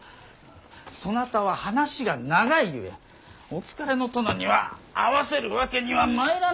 そなたは話が長いゆえお疲れの殿には会わせるわけにはまいらぬ。